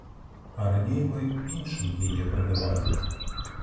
А раней мы іншым яе прадавалі.